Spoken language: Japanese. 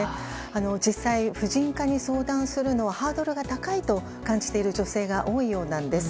実際、婦人科に相談するのはハードルが高いと感じている女性が多いようなんです。